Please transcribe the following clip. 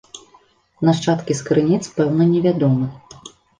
Нашчадкі з крыніц пэўна не вядомы.